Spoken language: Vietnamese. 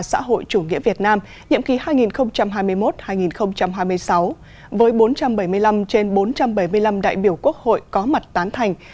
xã hội chủ nghĩa việt nam nhiệm ký hai nghìn hai mươi một hai nghìn hai mươi sáu với bốn trăm bảy mươi năm trên bốn trăm bảy mươi năm đại biểu quốc hội có mặt tán thành